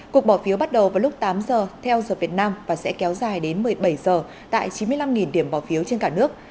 cuộc bỏ phiếu bắt đầu vào lúc tám giờ theo giờ việt nam và sẽ kéo dài đến một mươi bảy giờ tại chín mươi năm điểm bỏ phiếu trên cả nước